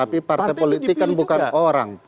tapi partai politik kan bukan orang